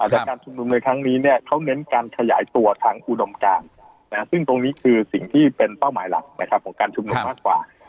และการชุมนุมในครั้งนี้เนี่ยเขาเน้นการขยายตัวทางอุดมการซึ่งตรงนี้คือสิ่งที่เป็นเป้าหมายหลักนะครับของการชุมนุมมากกว่า